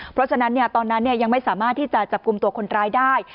เพราะฉะนั้นตอนนั้นยังไม่สามารถที่จะจับกลุ่มตัวคนร้ายได้